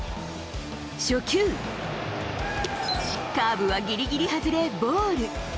初球、カーブはギリギリ外れボール。